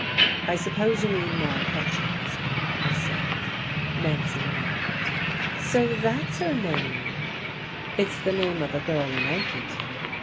"I suppose you mean Maude Hutchins," I said. Nancy laughed. "So that's her name!" "It's the name of a girl in Elkington.